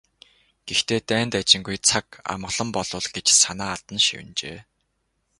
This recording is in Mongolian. "Гэхдээ дайн дажингүй, цаг амгалан болбол" гэж санаа алдан шивнэжээ.